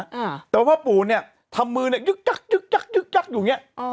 อ้าวแต่พระปู่นี้ทำมือเนี่ยยึกจักยึกจักยึกจักอยู่อย่างเงี้ย